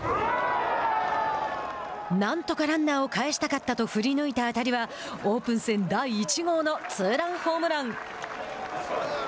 なんとかランナーを帰したかったと振り抜いた当たりはオープン戦、第１号のツーランホームラン。